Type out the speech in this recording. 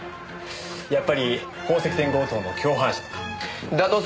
やっぱり宝石店強盗の共犯者とか？